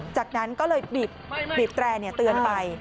จากนั้นก็เลยบีบแตร่เตือนไป